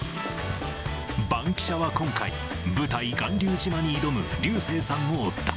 バンキシャは今回、舞台、巌流島に挑む流星さんを追った。